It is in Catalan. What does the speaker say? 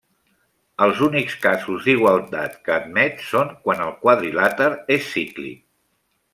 Els únics casos d'igualtat que admet són quan el quadrilàter és cíclic.